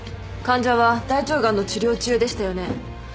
患者は大腸がんの治療中でしたよね？